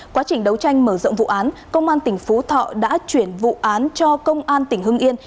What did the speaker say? quá trình đấu tranh mở rộng vụ án công an tỉnh phú thọ đã chuyển vụ án cho công an tỉnh hưng yên